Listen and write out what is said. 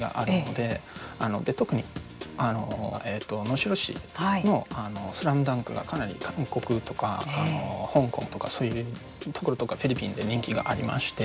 で特に能代市の「スラムダンク」がかなり韓国とか香港とかそういうところとかフィリピンで人気がありまして。